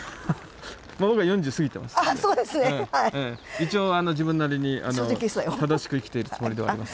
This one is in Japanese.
一応あの自分なりに正しく生きているつもりではあります。